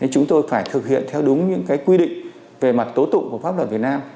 chúng tôi phải thực hiện theo đúng những quy định về mặt tố tụng của pháp luật việt nam